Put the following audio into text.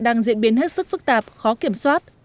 đang diễn biến hết sức phức tạp khó kiểm soát